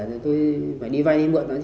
tôi phải đi vay đi mượn nó